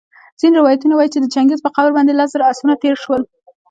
ځیني روایتونه وايي چي د چنګیز په قبر باندي لس زره آسونه تېرسول